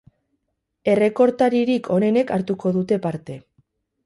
Errekortaririk onenek hartuko dute parte.